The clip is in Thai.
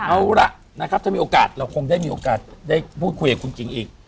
เอาละนะครับถ้ามีโอกาสเราคงได้มีโอกาสได้พูดคุยกับคุณกิ่งอีก